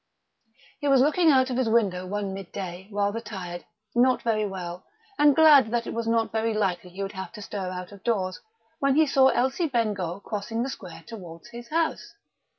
He was looking out of his window one midday rather tired, not very well, and glad that it was not very likely he would have to stir out of doors, when he saw Elsie Bengough crossing the square towards his house.